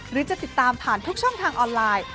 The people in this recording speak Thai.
หรือจะติดตามผ่านทุกช่องทางออนไลน์